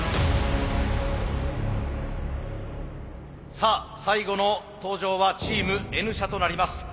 さあ最後の登場はチームＮ社となります。